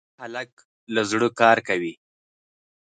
هلک له زړه کار کوي.